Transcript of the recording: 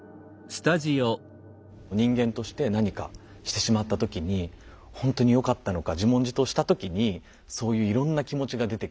人間として何かしてしまった時にほんとによかったのか自問自答した時にそういういろんな気持ちが出てくる。